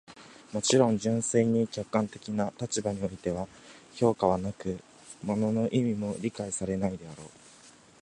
もちろん、純粋に客観的な立場においては評価はなく、物の意味も理解されないであろう。